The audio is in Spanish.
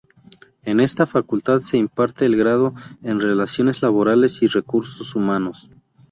En esta Facultad se imparte el Grado en Relaciones Laborales y Recursos Humanos.